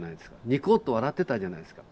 ニコッと笑ってたじゃないですか。